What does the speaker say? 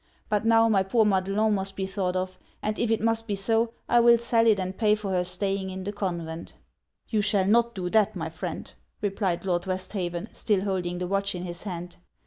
But now, my poor Madelon must be thought of, and if it must be so, I will sell it and pay for her staying in the convent.' 'You shall not do that, my friend,' replied Lord Westhaven, still holding the watch in his hand.